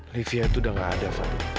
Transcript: livia itu udah nggak ada fadil